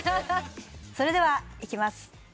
それではいきます。